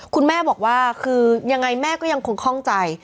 คุณแม่บอกว่าคือยังไงแม่ก็ยังคงคล่องใจ